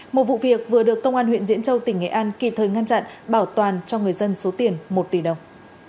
một vụ việc vừa được công an huyện diễn châu tỉnh nghệ an kịp thời ngăn chặn bảo toàn cho người dân số tiền một tỷ đồng